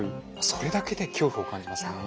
それだけで恐怖を感じますよね。